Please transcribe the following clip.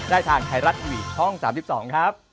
ได้ทางไทยรัตน์อีวียช่อง๓๒ครับ